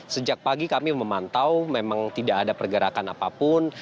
sejak pagi kami memantau memang tidak ada pergerakan apapun